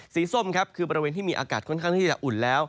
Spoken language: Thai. ส้มครับคือบริเวณที่มีอากาศค่อนข้างที่จะอุ่นแล้ว